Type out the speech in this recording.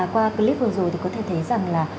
qua clip vừa rồi thì có thể thấy rằng là